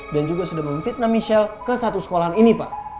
dan juga sudah memfitnah michelle ke satu sekolah ini pak